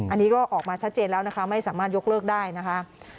อันนี้ก็ออกมาชัดเจนแล้วนะคะไม่สามารถยกเลิกได้นะคะ